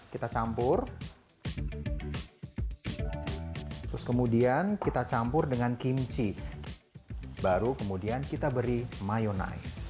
kita campur terus kemudian kita campur dengan kimchi baru kemudian kita beri mayonaise